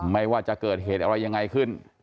ไม่ว่าจะเกิดเหตุอะไรยังไงขึ้น